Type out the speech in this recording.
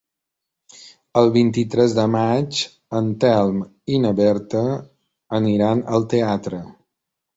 El vint-i-tres de maig en Telm i na Berta aniran al teatre.